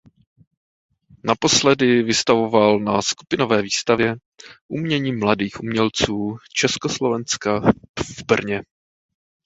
Naposledy vystavoval na skupinové výstavě „Umění mladých umělců Československa“ v Brně.